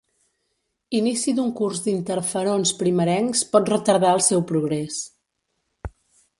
Inici d'un curs d'interferons primerencs pot retardar el seu progrés.